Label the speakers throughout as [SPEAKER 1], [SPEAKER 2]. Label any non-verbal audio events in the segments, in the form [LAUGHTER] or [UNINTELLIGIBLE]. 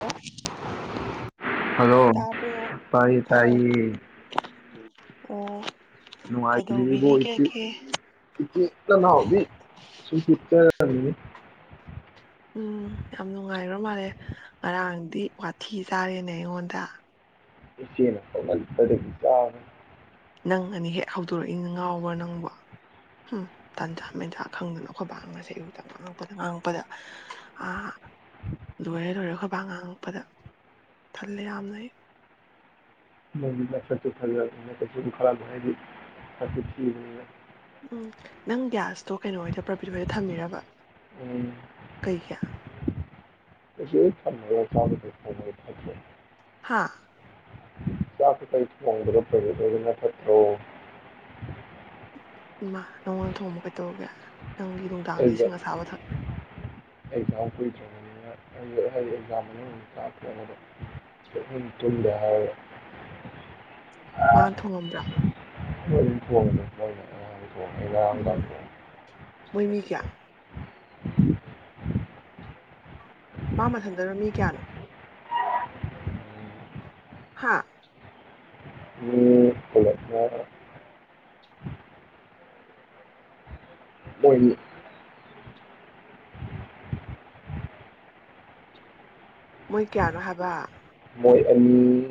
[SPEAKER 1] ꯑꯣ
[SPEAKER 2] ꯍꯜꯂꯣ
[SPEAKER 1] ꯇꯥꯕ꯭ꯔꯣ
[SPEAKER 2] ꯇꯥꯏꯌꯦ
[SPEAKER 1] ꯑꯥꯎ
[SPEAKER 2] ꯇꯥꯏꯌꯦ
[SPEAKER 1] ꯑꯣ
[SPEAKER 2] ꯅꯨꯡꯋꯥꯥꯏꯕꯤꯔꯤꯕꯣ ꯏꯆꯦ
[SPEAKER 1] ꯀꯩꯗꯧꯕꯤꯔꯤꯒꯦꯒꯦ
[SPEAKER 2] ꯏꯆꯦ ꯅꯅꯥꯎꯗꯤ ꯁꯨꯝ ꯍꯤꯞꯆꯔꯝꯃꯤꯅꯤ
[SPEAKER 1] ꯎꯝ ꯌꯥꯝ ꯅꯨꯡꯉꯥꯏꯕ ꯃꯥꯜꯂꯦ ꯉꯔꯥꯡꯗꯤ ꯋꯥꯊꯤ ꯆꯥꯔꯦꯅꯦ ꯑꯩꯉꯣꯟꯗ
[SPEAKER 2] ꯏꯆꯦꯅ ꯄꯪꯃꯟꯕꯗꯒꯤ ꯆꯥꯕꯅꯤ
[SPEAKER 1] ꯅꯪ ꯅꯅꯤ ꯍꯦꯛ ꯍꯧꯗꯣꯔꯛꯏꯅꯦ ꯉꯥꯎꯕ꯭ꯔꯥ ꯅꯪꯕꯣ ꯍꯨꯝ ꯇꯟꯖꯥ ꯃꯦꯟꯖꯥ ꯈꯪꯗꯅ ꯑꯩꯈꯣꯏꯕꯥ ꯉꯁꯤ ꯑꯌꯨꯛꯇ ꯉꯥꯡꯉꯛꯄꯗ ꯉꯥꯡꯉꯛꯄꯗ ꯑꯥ ꯂꯣꯏꯔꯦ ꯂꯣꯏꯔꯦ ꯑꯩꯈꯣꯏ ꯋꯥ ꯉꯥꯡꯉꯛꯄꯗ ꯇꯜꯂꯦ ꯌꯥꯝꯅ ꯑꯩ
[SPEAKER 2] ꯅꯪꯗꯤ ꯅꯁꯛꯇꯣ ꯐꯖꯕꯅꯤꯅ ꯀꯩꯁꯨꯕꯨ ꯈꯜꯂꯝꯃꯣꯏ ꯑꯩꯗꯤ ꯁꯛꯁꯦ ꯊꯤꯕꯅꯤꯅ
[SPEAKER 1] ꯎꯝ ꯅꯪ ꯒ꯭ꯌꯥꯁꯇꯣ ꯀꯩꯅꯣꯍꯣꯏꯗ ꯄ꯭ꯔꯕꯤꯠ ꯍꯣꯏꯗ ꯊꯝꯃꯤꯔꯕ
[SPEAKER 2] ꯎꯝ
[SPEAKER 1] ꯀꯩꯒꯤ
[SPEAKER 2] ꯄ꯭ꯔꯕꯤꯠ ꯍꯣꯏ ꯊꯝꯃ ꯆꯥꯕꯅ [UNINTELLIGIBLE]
[SPEAKER 1] ꯍꯥꯥ
[SPEAKER 2] ꯆꯥꯛ ꯀꯀꯩ ꯊꯣꯡꯕꯗꯣ ꯄ꯭ꯔꯕꯤꯠ ꯍꯣꯏꯗꯅ ꯐꯠꯇ꯭ꯔꯣ
[SPEAKER 1] ꯏꯃꯥ ꯅꯉꯣꯟꯗ ꯊꯣꯡꯕ ꯀꯗꯧꯔꯒꯦ ꯅꯪꯒꯤ ꯅꯨꯡꯗꯥꯡꯗ
[SPEAKER 2] ꯑꯩꯒ
[SPEAKER 1] ꯏꯁꯤꯡ ꯑꯁꯥꯕ ꯊꯛ
[SPEAKER 2] ꯑꯦꯛꯖꯥꯝ ꯀꯨꯏꯗ꯭ꯔꯕꯅꯤꯅ ꯑꯩꯒꯤ ꯍꯥꯏꯗꯤ ꯑꯦꯛꯖꯥꯝ ꯃꯅꯨꯡ ꯆꯥꯛ ꯊꯣꯡꯕꯗꯣ ꯁꯨꯛꯇꯨꯝ ꯇꯨꯝꯗꯦ ꯍꯥꯏꯔꯒꯦ
[SPEAKER 1] ꯃꯥꯅ ꯊꯣꯡꯉꯝꯕ꯭ꯔꯥ
[SPEAKER 2] [UNINTELLIGIBLE] ꯊꯣꯡꯉꯦ ꯉꯔꯥꯡ
[SPEAKER 1] ꯎꯝ
[SPEAKER 2] ꯅꯨꯡꯗꯥꯡ ꯊꯣꯡꯉꯦ
[SPEAKER 1] ꯃꯣꯏ ꯃꯤꯀꯌꯥ ꯃꯥ ꯃꯊꯟꯗꯔꯣ ꯃꯤ ꯀꯌꯥꯅꯣ ꯍꯥꯥ
[SPEAKER 2] ꯃꯤ ꯄꯨꯂꯞꯅ ꯃꯣꯏꯅꯤ
[SPEAKER 1] ꯃꯣꯏ ꯀꯌꯥꯅꯣ ꯍꯥꯏꯕ
[SPEAKER 2] ꯃꯣꯏ ꯑꯅꯤ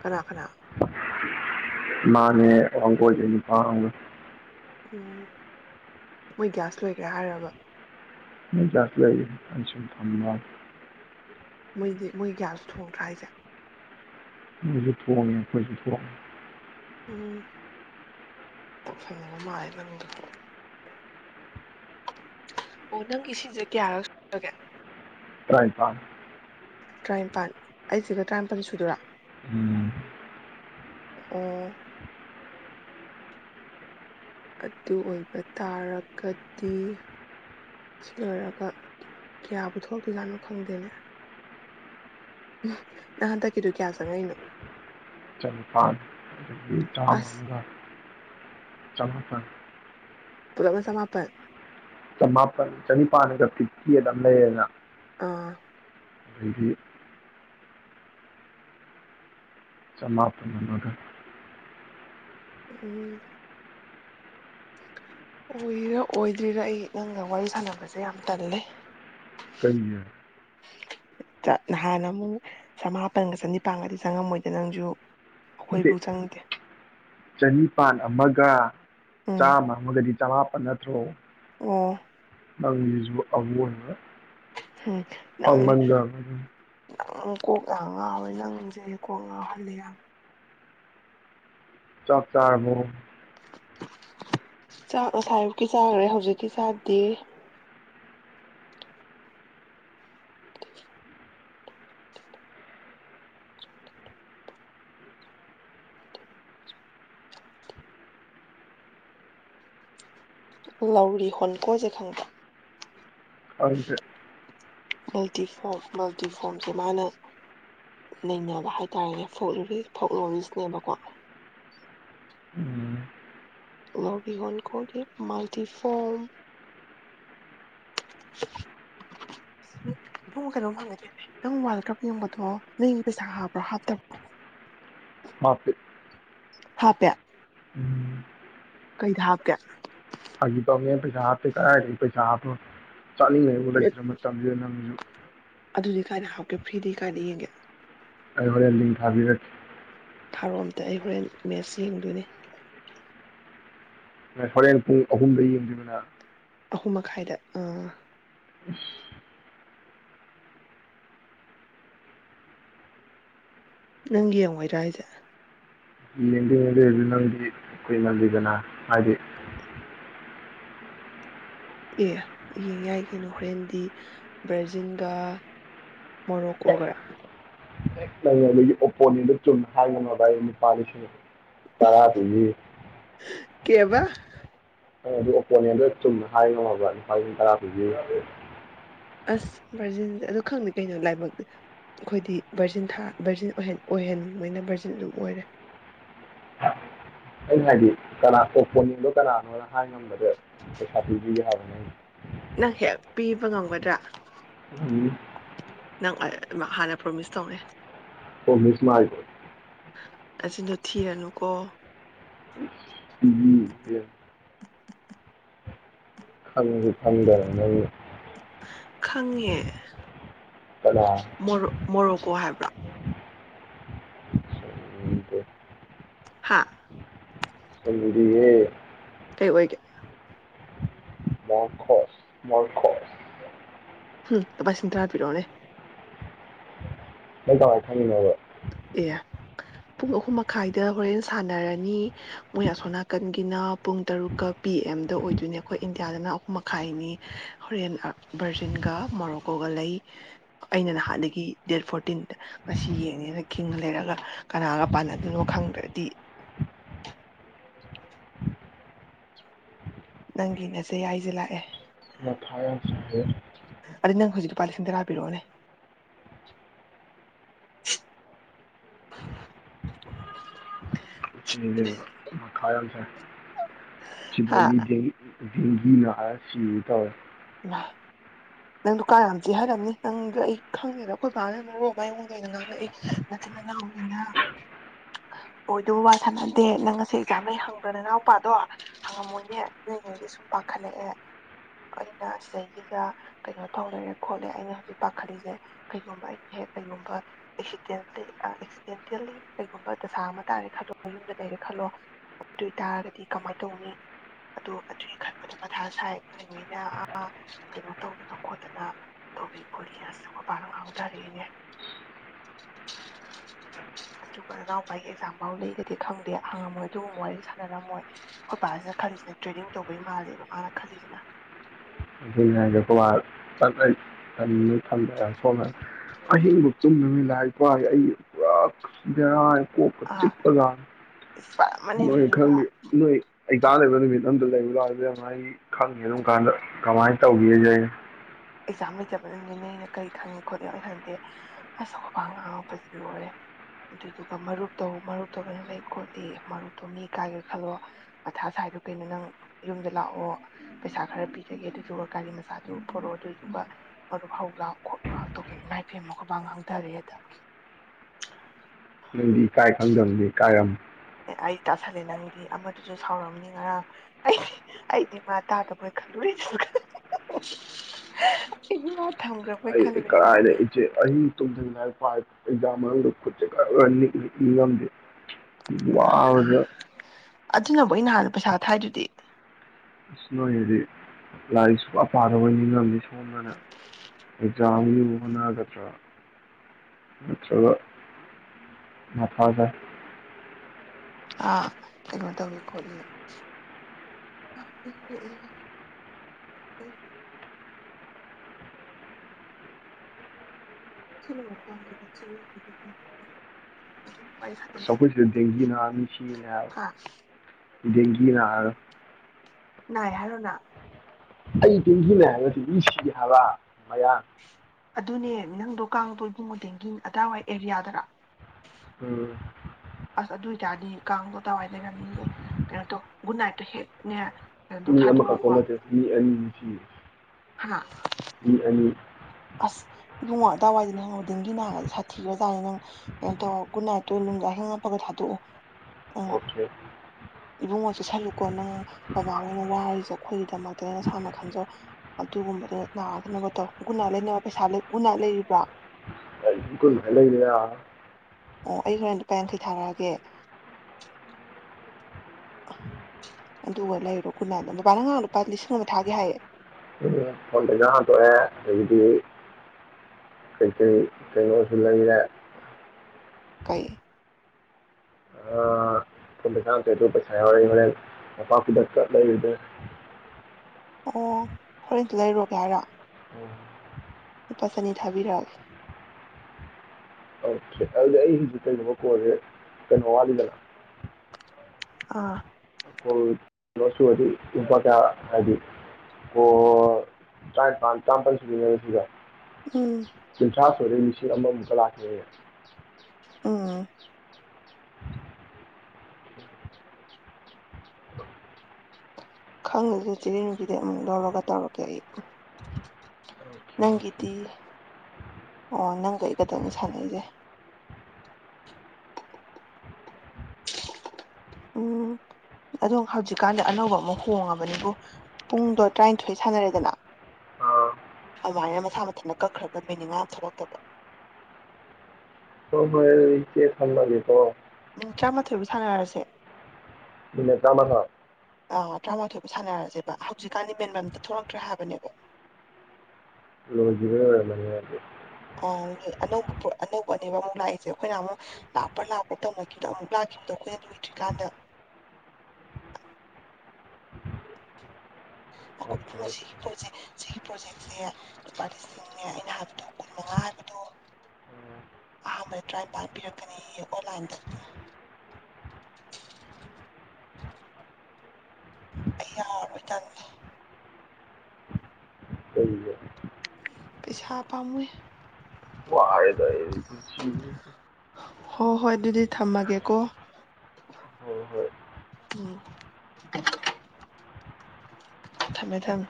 [SPEAKER 1] ꯀꯅꯥ ꯀꯅꯥ
[SPEAKER 2] ꯃꯥꯅꯦ ꯋꯥꯡꯒꯣꯏꯗꯒꯤ ꯅꯨꯄꯥ ꯑꯝꯒ
[SPEAKER 1] ꯎꯝ ꯃꯣꯏ ꯒ꯭ꯌꯥꯁ ꯂꯣꯏꯈ꯭ꯔꯦ ꯍꯥꯏꯔꯕ
[SPEAKER 2] ꯅꯣꯢ ꯀꯌꯥ ꯂꯩꯒꯦ ꯑꯩ ꯁꯨꯝ ꯍꯪꯕꯩ ꯋꯥꯅꯤ
[SPEAKER 1] ꯃꯣꯏꯗꯤ ꯃꯣꯏ ꯒ꯭ꯌꯥꯁ ꯊꯣꯡꯗ꯭ꯔꯥ ꯍꯥꯏꯁꯦ
[SPEAKER 2] ꯃꯣꯏꯁꯨ ꯊꯣꯡꯢ ꯑꯩꯈꯣꯏꯁꯨ ꯊꯣꯡꯢ
[SPEAKER 1] ꯎꯝ ꯇꯧꯁꯟꯅꯕ ꯃꯥꯜꯂꯦ ꯅꯪꯗꯣ ꯑꯣ ꯅꯪꯒꯤ ꯁꯤꯁꯦ ꯀꯌꯥꯔꯛ ꯁꯨꯒꯔꯒꯦ
[SPEAKER 2] ꯇ꯭ꯔꯥꯏꯄꯥꯟ
[SPEAKER 1] ꯇ꯭ꯔꯥꯏꯄꯥꯟꯜ ꯑꯩꯁꯤꯒ ꯇ꯭ꯔꯥꯏꯄꯟ ꯁꯨꯗꯣꯏꯔꯣ
[SPEAKER 2] ꯎꯝ
[SPEAKER 1] ꯑꯣ ꯑꯗꯨ ꯑꯣꯏꯕ ꯇꯥꯔꯒꯗꯤ ꯁꯤ ꯂꯣꯏꯔꯒ ꯀꯌꯥꯕꯨ ꯊꯣꯛ ꯂꯛꯇꯣꯏ ꯖꯥꯠꯅꯣ ꯈꯪꯗꯦꯅꯦ ꯅꯪ ꯍꯟꯗꯛ ꯀꯤꯗꯨ ꯀꯌꯥ ꯆꯪꯉꯛ ꯏꯅꯣ
[SPEAKER 2] ꯆꯅꯤꯄꯥꯟ ꯑꯗꯒꯤ
[SPEAKER 1] ꯑꯁ
[SPEAKER 2] ꯇꯔꯥꯉꯥꯝꯒ ꯆꯥꯅꯤꯄꯥꯟ
[SPEAKER 1] ꯄꯨꯂꯞꯅꯕ ꯆꯃꯥꯄꯟ
[SPEAKER 2] ꯆꯃꯥꯄꯜꯟ ꯆꯅꯤꯄꯥꯟꯅꯤꯒ ꯐꯤꯞꯇꯤ ꯑꯩꯠ ꯑꯃ ꯂꯩꯔꯦꯗꯅ
[SPEAKER 1] ꯑꯥ
[SPEAKER 2] ꯑꯩꯗꯤ ꯆꯃꯥꯄꯟ ꯑꯃꯒ
[SPEAKER 1] ꯎꯝ ꯑꯣꯏꯔ ꯑꯣꯏꯗ꯭ꯔꯤꯔꯥ ꯑꯩ ꯅꯪꯒ ꯋꯥꯔꯤ ꯁꯥꯟꯅꯕꯁꯦ ꯌꯥꯝ ꯇꯜꯂꯦ
[SPEAKER 2] ꯀꯔꯤꯒꯤ
[SPEAKER 1] ꯅꯍꯥꯟ ꯑꯃꯨꯛ ꯆꯃꯥꯄꯜꯒ ꯆꯅꯤꯄꯥꯟꯒꯗꯤ ꯆꯪꯉꯝꯃꯣꯏꯗ ꯅꯪꯁꯨ ꯑꯩꯈꯣꯏꯕꯨ ꯆꯪꯗꯦ
[SPEAKER 2] ꯆꯅꯤꯄꯥꯟ ꯑꯃꯒ ꯇꯥ
[SPEAKER 1] ꯎꯝ
[SPEAKER 2] ꯆꯥꯝꯃ ꯑꯃꯒꯗꯤ ꯆꯃꯥꯄꯟ ꯅꯠꯇ꯭ꯔꯣ
[SPEAKER 1] ꯑꯣ
[SPEAKER 2] ꯅꯪꯁꯤꯁꯨ ꯑꯋꯣꯏꯕ
[SPEAKER 1] ꯎꯝ
[SPEAKER 2] ꯍꯥꯎꯃꯠꯗꯅꯅꯦ
[SPEAKER 1] ꯅꯪꯁꯦ ꯀꯣꯛ ꯌꯥꯝ ꯉꯥꯎꯏ ꯅꯪꯖꯤꯗꯤ ꯀꯣꯛ ꯉꯥꯎꯍꯜꯂꯦ ꯌꯥꯝ
[SPEAKER 2] ꯆꯥꯛ ꯆꯥꯔꯕꯣ
[SPEAKER 1] ꯆꯥꯛ ꯉꯁꯥꯏꯌꯨꯛꯀꯤ ꯆꯥꯈ꯭ꯔꯦ ꯍꯧꯖꯤꯛꯀꯤ ꯆꯥꯗꯔꯤ [INAUDIBLE] ꯂꯧꯔꯤ ꯍꯣꯟ ꯀꯣꯏꯁꯦ ꯈꯪꯕ
[SPEAKER 2] ꯈꯪꯗꯦ
[SPEAKER 1] ꯃꯜꯇꯤꯐꯣꯝ ꯃꯜꯇꯤꯐꯣꯝꯁꯦ ꯃꯥꯅ ꯅꯩꯅꯕ ꯍꯥꯏꯇꯥꯥꯔꯦꯅꯦ ꯐꯣꯛꯔꯤ ꯐꯣꯛ ꯂꯣꯔꯤꯁꯅꯦꯕꯀꯣ ꯂꯣꯒꯤ ꯍꯣꯟꯀꯣꯒꯤ ꯃꯜꯇꯤ ꯐꯣꯔꯝ ꯏꯕꯨꯡꯉꯣ ꯀꯩꯅꯣꯝ ꯍꯪꯒꯗꯦ ꯅꯪ ꯋꯥꯔꯜ ꯀꯞ ꯌꯦꯡꯕꯗꯣ ꯅꯪꯒꯤ ꯄꯩꯁꯥ ꯍꯥꯕ꯭ꯔꯣ ꯍꯥꯞꯇꯕ꯭ꯔꯣ
[SPEAKER 2] ꯍꯞꯄꯦ
[SPEAKER 1] ꯍꯥꯞꯄꯦ ꯀꯩꯗ ꯍꯥꯞꯀꯦ
[SPEAKER 2] ꯐꯥꯒꯤ ꯇꯧꯕꯅꯦ ꯄꯩꯁꯥ ꯍꯞꯇꯦ ꯀꯥꯏꯗꯩ ꯄꯩꯁꯥ ꯍꯞꯇꯣꯏꯅ ꯆꯥꯅꯤꯡꯉꯥꯏꯕꯨ ꯂꯩꯇ꯭ꯔꯦ ꯃꯇꯝꯁꯤꯗ ꯅꯪ [INAUDIBLE]
[SPEAKER 1] ꯑꯗꯨꯗꯤ ꯀꯥꯏꯅ ꯍꯥꯞꯀꯦ ꯐ꯭ꯔꯤꯗꯤ ꯀꯥꯏꯅ ꯌꯦꯡꯒꯦ
[SPEAKER 2] ꯑꯩ ꯍꯣꯔꯦꯟ ꯂꯤꯛ ꯊꯥꯕꯤꯔꯛꯀꯦ
[SPEAKER 1] ꯊꯥꯔꯣꯛ ꯑꯝꯇꯥ ꯑꯩ ꯍꯣꯔꯦꯟ ꯃꯦꯠꯁ ꯌꯦꯡꯗꯣꯏꯅꯤ
[SPEAKER 2] ꯍꯣꯔꯦꯟ ꯄꯨꯡ ꯑꯍꯨꯝꯗ ꯌꯦꯡꯗꯣꯏꯕꯅꯪ
[SPEAKER 1] ꯃꯈꯥꯏꯗ ꯑꯥ ꯅꯪꯒꯤ ꯌꯦꯡꯉꯣꯏꯗ꯭ꯔꯥ ꯍꯥꯏꯁꯦ
[SPEAKER 2] ꯌꯦꯡꯗꯦ ꯌꯦꯡꯗꯦ ꯅꯪꯗꯤ ꯀꯨꯏꯃꯜꯂꯤꯗꯅ ꯍꯥꯏꯗꯤ
[SPEAKER 1] ꯑꯦ ꯌꯦꯡ ꯌꯥꯏ ꯀꯩꯅꯣ ꯍꯣꯔꯦꯟꯗꯤ ꯕ꯭ꯔꯥꯖꯤꯜꯒ ꯃꯣꯔꯣꯛꯀꯣꯒꯔ
[SPEAKER 2] ꯅ ꯑꯗꯨꯒꯤ ꯑꯣꯄꯣꯅꯦꯟꯗꯣ ꯆꯨꯝꯅ ꯍꯥꯏꯉꯝꯕꯗ ꯑꯩ ꯅꯨꯄꯥ ꯂꯤꯁꯤꯡ ꯇꯔꯥ ꯄꯤꯕꯤꯒꯦ
[SPEAKER 1] ꯀꯦꯕ
[SPEAKER 2] ꯑꯗꯨ ꯑꯣꯄꯣꯅꯦꯟꯗꯨ ꯆꯨꯝꯅ ꯍꯥꯏꯉꯝꯃꯕ ꯂꯨꯄꯥ ꯇꯔꯥ ꯄꯤꯕꯤꯒꯦ
[SPEAKER 1] ꯑꯁ ꯚꯥꯔꯖꯤꯟꯁꯦ ꯑꯗꯨ ꯈꯪꯗꯦ ꯀꯩꯅꯣ ꯂꯥꯏꯕꯁꯤ ꯑꯩꯈꯣꯏꯗꯤ ꯚꯥꯔꯖꯤꯟ ꯊꯥ ꯚꯥꯔꯖꯤꯟ ꯑꯣꯏꯍꯟꯅꯤꯡꯕꯅ ꯚꯥꯔꯖꯤꯟ ꯑꯗꯨꯝ ꯑꯣꯏꯔꯦ
[SPEAKER 2] ꯑꯩꯅ ꯍꯥꯏꯗꯤ ꯀꯅꯥ ꯀ ꯑꯣꯄꯣꯅꯦꯟꯗꯣ ꯀꯅꯥꯅꯣꯅ ꯍꯥꯏ ꯉꯝꯕꯗ ꯄꯩꯁꯥ ꯄꯤꯕꯤꯒꯦ ꯍꯥꯏꯕꯅꯦ
[SPEAKER 1] ꯅꯪ ꯍꯦꯛ ꯄꯤꯕ ꯉꯝꯒꯗ꯭ꯔꯥ
[SPEAKER 2] ꯎꯝ
[SPEAKER 1] ꯅꯪ ꯍꯥꯟꯅ ꯄ꯭ꯔꯣꯃꯤꯁ ꯇꯧꯅꯦ
[SPEAKER 2] ꯑꯣ ꯃꯤꯁ ꯃꯥꯈ
[SPEAKER 1] ꯅꯆꯤꯟꯗꯨ ꯊꯤꯔꯅꯨ ꯀꯣ
[SPEAKER 2] ꯄꯤꯕꯤꯒꯦ ꯈꯪꯗꯔꯥ ꯅꯪꯅ
[SPEAKER 1] ꯈꯪꯉꯦ
[SPEAKER 2] ꯀꯅꯥ
[SPEAKER 1] ꯃꯣꯔꯣ ꯃꯣꯔꯣꯛꯀꯣ ꯍꯥꯏꯕ꯭ꯔꯣ ꯍꯥꯥ
[SPEAKER 2] ꯁꯟꯗꯦ
[SPEAKER 1] ꯀꯩ ꯑꯣꯏꯒꯦ
[SPEAKER 2] ꯃꯣꯔ ꯀꯣꯁ ꯃꯣꯔ ꯀꯣꯁ
[SPEAKER 1] ꯎꯝ ꯂꯨꯄꯂꯤꯁꯤꯡ ꯇꯔꯥ ꯄꯤꯔꯛꯑꯣꯅꯦ
[SPEAKER 2] ꯅꯪ ꯀꯃꯏ ꯈꯥꯪꯉꯤꯅꯣꯕ
[SPEAKER 1] ꯑꯦ ꯄꯨꯡ ꯑꯍꯨꯝ ꯃꯈꯥꯏꯗ ꯍꯣꯔꯦꯟ ꯁꯥꯟꯅꯔꯅꯤ ꯃꯣꯏ ꯑꯁꯣꯅꯥꯀꯟꯒꯤꯅ ꯄꯨꯡ ꯇꯔꯨꯛꯀ ꯄꯤ ꯑꯦꯝꯗ ꯑꯣꯏꯗꯣꯏꯅꯦ ꯑꯩꯈꯣꯏ ꯏꯟꯗꯤꯌꯥꯗꯅ ꯑꯍꯨꯝ ꯃꯈꯥꯏꯅꯤ ꯍꯣꯔꯦꯟ ꯚꯔꯖꯤꯟꯒ ꯃꯣꯔꯣꯀꯣꯒ ꯂꯩ ꯑꯩꯅ ꯅꯍꯥꯟꯗꯒꯤ ꯗꯦꯠ ꯐꯣꯔꯇꯤꯟꯗ ꯉꯁꯤ ꯌꯦꯡꯅꯤꯅ ꯈꯤꯡꯉ ꯂꯩꯔꯒ ꯀꯅꯥꯒ ꯄꯥꯟꯅꯗꯣꯏꯅꯣ ꯈꯪꯗ꯭ꯔꯗꯤ ꯅꯪꯒꯤ ꯅꯆꯦ ꯌꯥꯏꯁꯦ ꯂꯥꯛꯑꯦ
[SPEAKER 2] ꯃꯊꯥ ꯌꯥꯝ ꯁꯥꯏꯌꯦ
[SPEAKER 1] ꯑꯗꯨ ꯅꯪ ꯍꯧꯖꯤꯛ ꯂꯨꯄꯥ ꯂꯤꯁꯤꯡ ꯇꯔꯥ ꯄꯤꯔꯛꯑꯣꯅꯦ
[SPEAKER 2] ꯏꯆꯦ ꯏꯕꯦꯝꯃꯥ ꯃꯈꯥ ꯌꯥꯝ ꯁꯥꯏ
[SPEAKER 1] ꯍꯥ
[SPEAKER 2] ꯁꯤꯗꯒꯤ ꯗꯦꯟꯒꯤ ꯗꯦꯟꯒꯤ ꯅꯔꯒ ꯁꯤꯒꯦ ꯇꯧꯋꯦ
[SPEAKER 1] ꯏꯃꯥ ꯅꯪꯗꯨ ꯀꯥ ꯌꯥꯝ ꯆꯤꯍꯔꯝꯅꯤ ꯅꯪꯗꯣ ꯑꯩ ꯈꯪꯗꯦꯗ ꯑꯩꯈꯣꯏ ꯕꯥꯅ ꯃꯔꯣꯃ ꯑꯩꯉꯣꯟꯗ ꯑꯣꯏꯅ ꯉꯥꯡꯉꯛꯏ ꯅꯆꯤꯟ ꯅꯅꯥꯎꯅꯤꯅ ꯑꯣꯏꯗꯨꯕ ꯋꯥ ꯁꯥꯟꯅꯗꯦ ꯅꯪ ꯉꯁꯤ ꯑꯦꯛꯖꯥꯝ ꯂꯩ ꯍꯪꯕ꯭ꯔꯥ ꯅꯅꯥꯎꯄꯥꯗꯣ ꯍꯪꯉꯝꯃꯣꯏꯅꯦ ꯅꯣꯏ ꯅꯪ ꯁꯨꯝ ꯄꯥꯈꯠꯂꯛꯑꯦ ꯑꯩꯅ ꯁꯤꯗꯩꯩꯁꯤꯗ ꯀꯩꯅꯣ ꯊꯧ ꯂꯩꯔꯦ ꯈꯣꯠꯂꯦ ꯑꯩꯅ ꯍꯧꯖꯤꯛ ꯄꯥꯈꯠꯂꯤꯁꯦ ꯀꯩꯒꯨꯝꯕ ꯑꯩꯅ ꯍꯦꯛ ꯀꯩꯒꯨꯝꯕ ꯑꯦꯛꯁꯤꯗꯦꯟꯂꯤ ꯑꯦꯛꯁꯤꯗꯦꯟꯇꯦꯜꯂꯤ ꯀꯩꯒꯨꯝꯕ ꯗꯁꯥ ꯑꯃ ꯇꯥꯔꯦ ꯈꯜꯂꯣ ꯌꯨꯝꯗ ꯂꯩꯔꯦ ꯈꯜꯂꯣ ꯑꯗꯨ ꯑꯣꯏꯇꯥꯔꯒꯗꯤ ꯀꯃꯥꯏꯅ ꯇꯧꯅꯤ ꯑꯗꯣ ꯑꯗꯨꯒꯤ ꯈꯟꯕꯗ ꯃꯊꯥ ꯁꯥꯏꯃꯤ ꯌ ꯑ ꯑ ꯀꯩꯅꯣ ꯇꯧꯗꯅ ꯈꯣꯠꯇꯅ ꯇꯧꯔꯤ ꯈꯣꯂꯤꯅ ꯑꯁ ꯑꯈꯣꯏ ꯕꯥꯅ ꯉꯥꯡꯙꯔꯛꯑꯦꯅꯦ ꯑꯗꯨꯒ ꯅꯅꯥꯎꯄꯥꯒꯤ ꯑꯦꯛꯖꯥꯝꯐꯥꯎ ꯂꯩꯗꯨꯗꯤ ꯈꯪꯗꯦ ꯍꯪꯉꯝꯃꯣꯏ ꯑꯗꯨꯒꯨꯝꯕ ꯋꯥꯔꯤ ꯁꯥꯟꯅꯔꯝꯃꯣꯏ ꯑꯈꯣꯏ ꯄꯥꯁꯤꯅ ꯈꯜꯂꯤꯁꯤꯅ ꯇ꯭ꯔꯦꯗꯤꯡ ꯇꯧꯕꯩ ꯃꯥꯜꯂꯦꯕ ꯃꯥꯅ ꯈꯜꯂꯤꯁꯤꯅ
[SPEAKER 2] ꯑꯗꯨꯅꯦ ꯍꯥꯏꯖꯦ ꯑꯩꯈꯣꯏ ꯃꯥꯖꯦ ꯇꯞꯇꯥꯏ ꯀꯔꯤꯅꯣ ꯈꯜꯂꯦ ꯁꯣꯝꯗ ꯑꯍꯤꯡꯕꯨ ꯇꯨꯝꯗꯃꯩ ꯂꯥꯏꯔꯤꯛ ꯄꯥꯔꯤ ꯑꯩ ꯄꯨꯔꯥ ꯕꯦꯔꯥꯅꯦ ꯀꯣꯛꯀ
[SPEAKER 1] ꯑꯥ
[SPEAKER 2] ꯆꯤꯛꯄꯒ
[SPEAKER 1] ꯏꯁ ꯄꯥꯔꯝꯃꯅꯤ
[SPEAKER 2] ꯅꯣꯏ
[SPEAKER 1] ꯑꯗꯨꯗꯨꯒ
[SPEAKER 2] ꯈꯪꯅꯤ ꯅꯣꯏ ꯑꯦꯛꯖꯥꯝ ꯂꯩꯕ ꯅꯨꯃꯤꯠ ꯁꯤꯗ ꯂꯩꯔꯨ ꯂꯥꯎ ꯑꯩ ꯈꯪꯗꯦ ꯑꯗꯨꯝ ꯀꯥꯟꯗ ꯀꯃꯥꯏ ꯇꯧꯕꯤꯔꯤꯒꯦ
[SPEAKER 1] ꯑꯦꯛꯖꯥꯝ ꯂꯩꯇꯕꯅꯅꯤꯅꯦ ꯅꯣꯏꯅ ꯀꯔꯤ ꯈꯪꯉꯤ ꯈꯣꯠꯂꯤ ꯑꯩ ꯍꯥꯏꯕꯗꯤ ꯑꯁ ꯑꯩꯈꯣꯏ ꯄꯥꯅ ꯉꯥꯡꯂꯛꯄꯁꯗꯤ ꯂꯣꯏꯔꯦ ꯑꯗꯨꯗꯨꯒ ꯃꯔꯨꯞ ꯇꯧ ꯃꯔꯨꯞ ꯇꯧꯗꯅ ꯂꯩ ꯈꯣꯠꯂꯤ ꯃꯔꯨꯞꯇꯣ ꯃꯤ ꯀꯥꯏꯔꯦ ꯈꯜꯂꯣ ꯃꯊꯥ ꯁꯥꯏꯗꯣ ꯀꯩꯅꯣ ꯅꯪ ꯌꯨꯝꯗ ꯂꯥꯛꯑꯣ ꯄꯩꯁꯥ ꯈꯔ ꯄꯤꯔꯒꯦ ꯑꯗꯨꯗꯨꯒ ꯒꯥꯔꯤ ꯃꯆꯥꯗꯨ ꯄꯣꯔꯛꯑꯣ ꯑꯗꯨꯗꯨꯒ ꯃꯔꯨꯞ ꯍꯧꯂꯥꯎ ꯈꯣꯠꯂꯥꯎ ꯇꯧꯗꯅ ꯏꯃꯥꯏ ꯄꯦꯝꯃ ꯑꯈꯣꯏ ꯕꯥꯅ ꯍꯥꯡꯊꯔꯛꯑꯦ ꯍꯦꯛꯇ
[SPEAKER 2] ꯃꯤ ꯀꯥꯏ ꯈꯪꯗꯕꯅꯦ ꯀꯥꯏ ꯌꯥꯝ
[SPEAKER 1] ꯑꯩ ꯇꯥꯁꯜꯂꯦ ꯅꯪ ꯅꯨꯄꯤ ꯑꯃꯗꯨꯁꯨ ꯁꯥꯎꯔꯝꯅꯤ ꯉꯔꯥꯡ ꯑꯩꯗꯤ ꯑꯩꯗꯤ ꯃꯥ ꯇꯥꯗꯕꯣꯏ ꯈꯜꯂꯨꯨꯔꯦ ꯑꯗꯨꯒ ꯑꯩꯗꯤ ꯃꯥ ꯊꯝꯈ꯭ꯔꯕ
[SPEAKER 2] ꯑꯩ ꯀꯥꯏꯔꯦ ꯏꯆꯦ ꯑꯍꯤꯡ ꯇꯨꯝꯗꯨꯗ ꯉꯥꯏ ꯄꯥꯏ ꯑꯦꯛꯖꯥꯝ ꯃꯅꯨꯡꯗ ꯈꯨꯠꯁꯦ ꯒꯔ ꯔ ꯔ ꯅꯤꯛꯑꯦ ꯏꯕ ꯉꯝꯗꯦ ꯋꯥꯕꯗ
[SPEAKER 1] ꯑꯗꯨꯅꯕꯨ ꯑꯩꯅ ꯍꯥꯟꯅ ꯄꯩꯁꯥ ꯊꯥꯏꯗꯨꯗꯤ
[SPEAKER 2] ꯏꯁ ꯅꯣꯏꯖꯤꯗꯤ ꯂꯥꯏꯔꯤꯛ ꯁꯨꯛꯄ ꯄꯥꯗꯕꯣꯏ ꯅꯤꯉꯝꯅꯤ ꯁꯣꯝꯗꯅ ꯑꯦꯛꯖꯥꯝꯒꯤ ꯑꯃꯨꯛ ꯍꯣꯠꯅꯒꯗ꯭ꯔꯥ ꯅꯠꯇ꯭ꯔꯒ ꯃꯊꯥ ꯁꯥꯏ
[SPEAKER 1] ꯑꯥ ꯀꯩꯅꯣ ꯇꯧꯏ ꯈꯣꯠꯂꯤ [UNINTELLIGIBLE]
[SPEAKER 2] ꯑꯁ
[SPEAKER 1] ꯁꯥꯟꯅꯁꯤ
[SPEAKER 2] ꯑꯈꯣꯏ ꯁꯤꯗ ꯗꯦꯡꯒꯤ ꯅꯥꯔꯑ ꯃꯤ ꯁꯤꯔꯦ ꯍꯥꯏꯕ
[SPEAKER 1] ꯍꯥ
[SPEAKER 2] ꯗꯦꯡꯒꯤ ꯅꯥꯔꯒ
[SPEAKER 1] ꯅꯥꯏ ꯍꯥꯏꯔꯣ ꯅꯪ
[SPEAKER 2] ꯑꯩ ꯗꯦꯡꯒꯤ ꯅꯦ ꯍꯥꯏꯕ ꯃꯤꯁꯤ ꯍꯋꯥ ꯃꯌꯥꯡ
[SPEAKER 1] ꯑꯗꯨꯅꯦ ꯅꯪꯕꯨ ꯀꯥꯡꯗꯣ ꯏꯕꯨꯡꯉꯣ ꯗꯦꯡꯒꯤ ꯑꯗꯥꯏꯋꯥꯏ ꯑꯦꯔꯤꯌꯥꯗꯔ
[SPEAKER 2] ꯎꯝ
[SPEAKER 1] ꯑꯁ ꯑꯗꯨ ꯑꯣꯏꯇꯥꯔꯗꯤ ꯀꯥꯡꯗꯣ ꯑꯗꯨꯋꯥꯏꯗ ꯂꯩꯔꯝꯅꯤꯌꯦ ꯀꯩꯅꯣ ꯇꯧ ꯒꯨꯗ ꯅꯥꯏꯠꯇꯣ ꯍꯦꯛꯅꯦ ꯀꯩꯅꯣ ꯇꯧ
[SPEAKER 2] ꯃꯤ ꯑꯃꯈꯛꯇ
[SPEAKER 1] ꯊꯥꯗꯣꯛꯑꯣꯀꯣ
[SPEAKER 2] ꯅꯠꯇꯦ ꯃꯤ ꯑꯅꯤꯅꯦ ꯁꯤꯔꯤꯁꯦ
[SPEAKER 1] ꯍꯥ
[SPEAKER 2] [INAUDIBLE]
[SPEAKER 1] ꯑꯁ ꯏꯕꯨꯡꯉꯣ ꯑꯋꯥꯏꯗꯅꯦ ꯈꯪꯕ ꯗꯦꯡꯒꯤꯪꯅꯥꯔꯗꯤ ꯁꯥꯊꯤꯈ꯭ꯔꯖꯥꯠꯅꯤ ꯅꯪ ꯀꯩꯅꯣ ꯇꯧ ꯒꯨꯗ ꯅꯥꯏꯠꯇꯣ ꯅꯨ ꯌꯥꯍꯤꯡꯉꯛꯄꯒ ꯊꯥꯗꯣꯛꯑꯣ ꯎꯝ
[SPEAKER 2] ꯑꯣꯀꯦ
[SPEAKER 1] ꯏꯕꯨꯡꯉꯣ ꯆꯦꯛꯁꯜꯂꯨꯀꯣ ꯅꯪ ꯕꯕꯥꯍꯣꯏꯅ ꯋꯥꯔꯤꯁꯦ ꯑꯩꯈꯣꯏꯒꯤꯗꯃꯛꯇꯅꯦ ꯅꯁꯥꯅ ꯈꯟꯖꯧ ꯑꯗꯨꯒꯨꯝꯕꯗꯣ ꯅꯥꯗꯅꯕ ꯇꯧ ꯎꯅꯥ ꯂꯩꯅꯕ ꯄꯩꯁꯥ ꯂꯩ ꯎꯅꯥ ꯂꯩꯔꯤꯕ꯭ꯔꯥ
[SPEAKER 2] ꯀꯨꯜ ꯍꯥꯏ ꯂꯩ ꯑ
[SPEAKER 1] ꯑꯣ ꯑꯩ ꯍꯣꯔꯦꯟ ꯂꯨꯄꯥ ꯌꯥꯡꯈꯩ ꯊꯥꯔꯛꯑꯒꯦ ꯑꯗꯨꯒ ꯂꯩꯔꯣ ꯒꯨꯠꯅꯥꯏꯠ ꯑꯃ ꯕꯥꯕꯥꯅ ꯉꯥꯔꯥꯉ ꯂꯨꯄꯥ ꯂꯤꯁꯤꯡ ꯑꯃ ꯊꯥꯒꯤ ꯍꯥꯏꯌꯦ
[SPEAKER 2] ꯐꯣꯟ ꯄꯩꯁꯥ ꯍꯥꯟꯇꯣꯛꯑꯦ ꯑꯗꯩꯗꯤ ꯀꯩ ꯀꯩ ꯀꯩꯅꯣꯁꯨ ꯂꯩꯔꯦ
[SPEAKER 1] ꯀꯩ
[SPEAKER 2] ꯐꯣꯟ ꯄꯩꯁꯥ ꯍꯥꯟꯇꯣꯛꯑꯦ ꯑꯗꯣ ꯄꯩꯁꯥ ꯌꯥꯎꯔꯤ ꯍꯣꯔꯦꯟ ꯃꯣꯟꯄꯥꯛꯐꯤꯗꯛꯀ ꯂꯩꯔꯨꯗꯣꯏꯅꯦ
[SPEAKER 1] ꯑꯣ ꯍꯣꯔꯦꯟꯗꯨ ꯂꯩꯔꯣꯒꯦ ꯍꯥꯏꯔꯣ ꯂꯨꯄꯥ ꯆꯅꯤ ꯊꯥꯕꯤꯔꯛꯑꯒꯦ
[SPEAKER 2] ꯑꯣꯀꯦ ꯑꯩ ꯍꯧꯖꯤ ꯀꯩꯩꯅꯣꯕ ꯀꯤꯜꯁꯦ ꯀꯩꯅꯣ ꯋꯥꯠꯂꯤꯗꯅ
[SPEAKER 1] ꯑꯥ
[SPEAKER 2] ꯀꯣꯜ ꯁꯨꯔꯗꯤ ꯏꯁꯇꯗ ꯍꯥꯏꯗꯤ ꯂꯣꯜ ꯇꯥꯏꯄꯥꯜ ꯇꯔꯥꯄꯥꯟ ꯁꯨꯗꯣꯏꯅꯦ ꯁꯤꯁꯦ
[SPEAKER 1] ꯎꯝ
[SPEAKER 2] [UNINTELLIGIBLE] ꯑꯃ ꯕꯨꯀꯥ ꯂꯥꯛꯈꯤꯅꯤꯕ
[SPEAKER 1] ꯑꯥ ꯈꯪꯗꯦ ꯆꯦ ꯔꯦꯅꯨꯕꯤꯗꯩ ꯑꯃꯨꯛ ꯂꯧꯔꯒ ꯇꯧꯔꯒꯦ ꯑꯩ
[SPEAKER 2] ꯑꯣꯀꯦ ꯑꯣꯀꯦ
[SPEAKER 1] ꯅꯪꯒꯤꯗꯤ ꯑꯣ ꯅꯪꯒ ꯑꯩꯒꯗꯪ ꯁꯥꯟꯅꯩꯁꯦ ꯎꯝ ꯑꯗꯣ ꯍꯧꯖꯤꯛꯀꯥꯟꯁꯦ ꯑꯅꯧꯕ ꯑꯃꯨꯛ ꯍꯣꯡꯉꯕꯅꯤꯕꯨ ꯄꯨꯡꯗꯣ ꯇꯔꯥꯅꯤꯊꯣꯏ ꯁꯥꯟꯅꯔꯦꯗꯅ
[SPEAKER 2] ꯑꯥ
[SPEAKER 1] ꯑꯗꯨꯃꯥꯏꯅ ꯃꯁꯥ ꯃꯊꯟꯇ ꯀꯛꯈ꯭ꯔꯒ ꯃꯤꯅꯤꯠ ꯃꯥ ꯊꯣꯛꯂꯛꯇꯕ
[SPEAKER 2] ꯍ ꯍꯣꯏ ꯏꯆꯦ ꯊꯝꯃꯒꯦꯀꯣ
[SPEAKER 1] ꯃꯤꯅꯤꯠ ꯇꯔꯥꯃꯥꯊꯣꯏꯕꯨ ꯁꯥꯟꯅꯔꯁꯦ ꯑꯥ
[SPEAKER 2] [UNINTELLIGIBLE]
[SPEAKER 1] ꯇꯔꯥꯃꯥꯊꯣꯏꯕꯨ ꯁꯥꯟꯅꯔꯛꯁꯦꯕ ꯍꯧꯖꯤꯛꯀꯥꯟꯗꯤ ꯃꯦꯟꯕꯝ ꯑꯝꯇꯥ ꯊꯣꯛꯂꯛꯇ꯭ꯔꯦ ꯍꯥꯏꯕꯅꯦꯕ
[SPEAKER 2] ꯂꯣꯏꯒꯤꯕ ꯑꯣꯏꯔꯃꯅꯤ ꯍꯥꯏꯗꯤ
[SPEAKER 1] ꯑꯧ ꯑꯅꯧꯕ ꯑꯅꯧꯕꯅꯦꯕ ꯑꯃꯨꯛ ꯂꯥꯛꯏꯁꯦ ꯑꯩꯈꯣꯏꯅ ꯑꯃꯨꯛ ꯂꯥꯞꯄ꯭ꯔꯥ ꯂꯥꯄꯦ ꯇꯧꯅꯈꯤꯕꯗ ꯑꯃꯨꯛ ꯂꯥꯛꯈꯤꯕꯗꯣ ꯑꯩꯈꯣꯏꯅ ꯂꯣꯏꯇ꯭ꯔꯤꯀꯥꯟꯗ
[SPEAKER 2] ꯑꯣꯀꯦ ꯑꯣꯀꯦ
[SPEAKER 1] ꯨꯁꯤꯒꯤ ꯄ꯭ꯔꯣꯖꯦꯛ ꯁꯤꯒꯤ ꯄ꯭ꯔꯣꯖꯦꯛꯁꯦ ꯂꯨꯄꯥ ꯂꯤꯁꯤꯡꯅꯦ ꯑꯩꯅ ꯍꯥꯏꯕꯗꯣ ꯀꯨꯟꯃꯉꯥ ꯍꯥꯏꯕꯗꯣ ꯑꯍꯥꯟꯕꯗ ꯇꯔꯥꯅꯤꯄꯥꯟ ꯄꯤꯔꯛꯀꯅꯤ ꯑꯣꯟꯂꯥꯏꯟꯗ ꯑꯩ ꯌꯥꯎꯔꯔꯤꯏ ꯇꯥꯂꯦ
[SPEAKER 2] ꯀꯩꯒꯤ
[SPEAKER 1] ꯄꯩꯁꯥ ꯄꯥꯝꯃꯨꯏ
[SPEAKER 2] [UNINTELLIGIBLE]
[SPEAKER 1] ꯍꯣ ꯍꯣꯏ ꯑꯗꯨꯗꯤ ꯊꯝꯃꯒꯦꯀꯣ
[SPEAKER 2] ꯍꯣꯏ ꯍꯣꯏ
[SPEAKER 1] ꯑꯣ ꯊꯝꯃꯦ ꯊꯝꯃꯦ